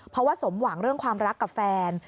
เพราะว่าสมหวังเรื่องความรักกับแฟน